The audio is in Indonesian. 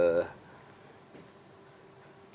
kita lihat partai partai yang semakin oligar gitu oke